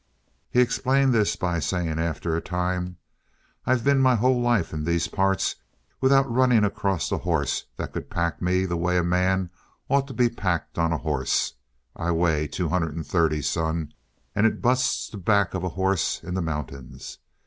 He explained this by saying after a time: "I been my whole life in these parts without running across a hoss that could pack me the way a man ought to be packed on a hoss. I weigh two hundred and thirty, son, and it busts the back of a horse in the mountains.